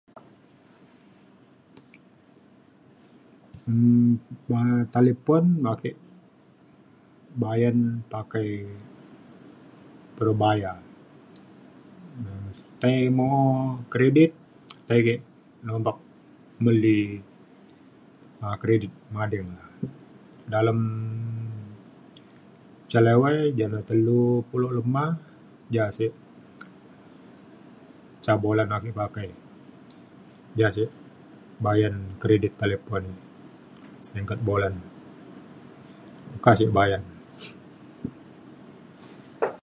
um talipun ake bayan pakai prabaya um tai mo'o kredit tai ke' nompak meli um kredit mading la. dalem ca lewai jane telu pulok lema ja sik ca bolan ake pakai ja sik bayan kridit talipun sengket bolan meka sik bayan e